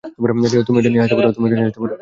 তুমি এটা নিয়ে হাসতে পারো।